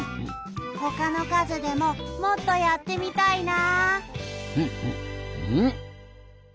ほかのかずでももっとやってみたいな。